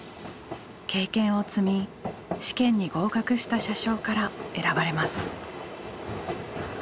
経験を積み試験に合格した車掌から選ばれます。